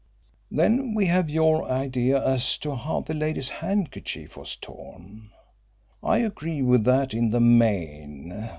Then we have your idea as to how the lady's handkerchief was torn I agree with that in the main.